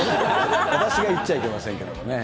私がいっちゃいけませんけどもね。